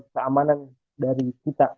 keamanan dari kita